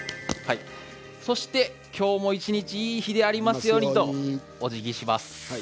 そして、きょうも一日いい日でありますようにとおじぎします。